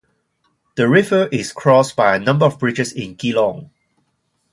The river is crossed by a number of bridges in Geelong.